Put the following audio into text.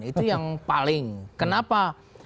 itu yang paling kenapa